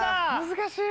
難しい！